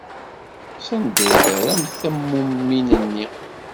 Sanda ay terramt tammumin-nni?